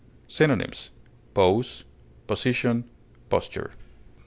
Synonyms: pose, position, posture.